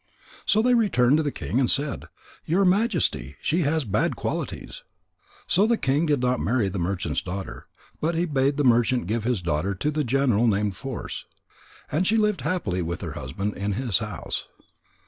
So they returned to the king and said: "Your Majesty, she has bad qualities." So the king did not marry the merchant's daughter. But he bade the merchant give his daughter to a general named Force. And she lived happily with her husband in his house.